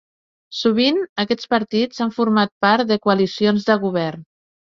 Sovint, aquests partits han format part de coalicions de govern.